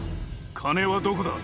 金はどこだ？